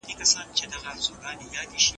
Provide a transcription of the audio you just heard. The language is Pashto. موږ به تل د بشري حقونو دفاع وکړو.